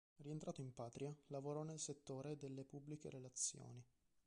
Rientrato in patria, lavorò nel settore delle pubbliche relazioni.